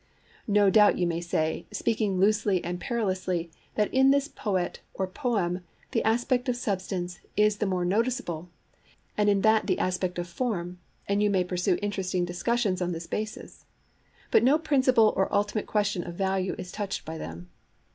No doubt you may say, speaking loosely and perilously, that in this poet or poem the aspect of substance is the more noticeable, and in that the aspect of form, and you may pursue interesting discussions on this basis: but no principle or ultimate question of value is touched by them.